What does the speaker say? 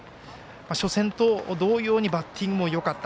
初戦と同様にバッティングもよかった。